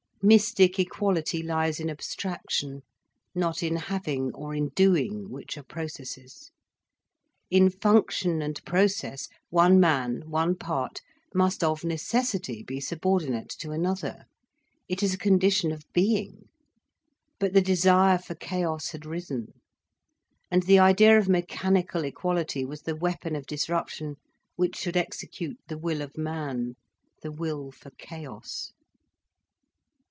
Mystic equality lies in abstraction, not in having or in doing, which are processes. In function and process, one man, one part, must of necessity be subordinate to another. It is a condition of being. But the desire for chaos had risen, and the idea of mechanical equality was the weapon of disruption which should execute the will of man, the will for chaos.